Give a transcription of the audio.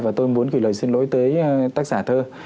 và tôi muốn gửi lời xin lỗi tới tác giả thơ